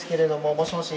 もしもし。